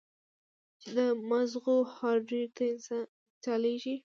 چې د مزغو هارډوئېر ته انسټاليږي